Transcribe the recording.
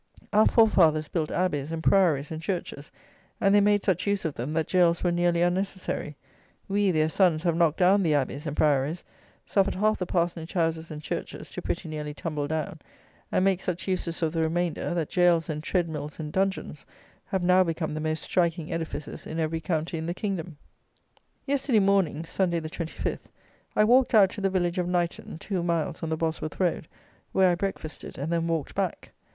Our forefathers built abbeys and priories and churches, and they made such use of them that jails were nearly unnecessary. We, their sons, have knocked down the abbeys and priories; suffered half the parsonage houses and churches to pretty nearly tumble down, and make such uses of the remainder, that jails and tread mills and dungeons have now become the most striking edifices in every county in the kingdom. Yesterday morning (Sunday the 25th) I walked out to the village of Knighton, two miles on the Bosworth road, where I breakfasted, and then walked back.